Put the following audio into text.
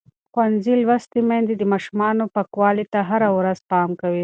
ښوونځې لوستې میندې د ماشومانو پاکوالي ته هره ورځ پام کوي.